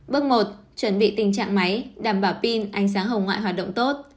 bước một chuẩn bị tình trạng máy đảm bảo pin ánh sáng hồng ngoại hoạt động tốt